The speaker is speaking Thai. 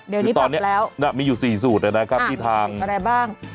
เดี๋ยวนี้ตอนนี้แล้วมีอยู่๔สูตรนะครับที่ทางอะไรบ้าง